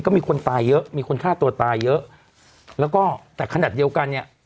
ก็มีคนตายเยอะมีคนฆ่าตัวตายเยอะแล้วก็แต่ขนาดเดียวกันเนี่ย